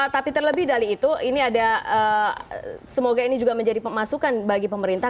tapi terlebih dari itu ini ada semoga ini juga menjadi pemasukan bagi pemerintah